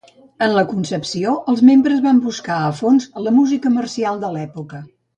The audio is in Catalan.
En la concepció, els membres van buscar a fons la música marcial de l'època.